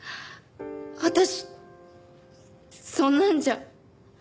私そんなんじゃ。